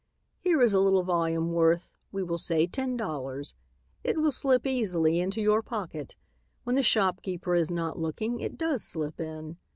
Here is a little volume worth, we will say, ten dollars. It will slip easily into your pocket. When the shopkeeper is not looking, it does slip in.